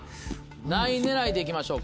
何位狙いで行きましょうか。